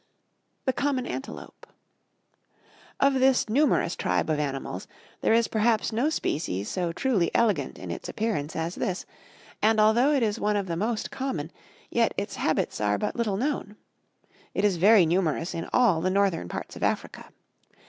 ] THE COMMON ANTELOPE Of this numerous tribe of animals, there is perhaps no species so truly elegant in its appearance as this, and although it is one of the most common, yet its habits are but little known. It is very numerous in all the northern parts of Africa.